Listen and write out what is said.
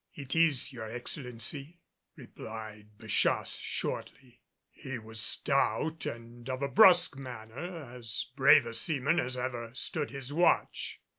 "It is, your Excellency," replied Bachasse shortly. He was stout and of a brusque manner as brave a seaman as ever stood his watch.